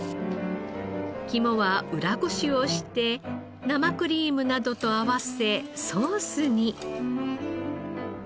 肝は裏ごしをして生クリームなどと合わせソースに。